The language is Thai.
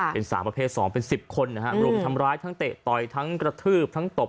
เป็นสาวประเภท๒เป็น๑๐คนนะฮะรุมทำร้ายทั้งเตะต่อยทั้งกระทืบทั้งตบ